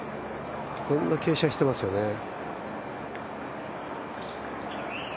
そんな傾斜していますよね。